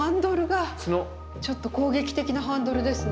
ちょっと攻撃的なハンドルですね。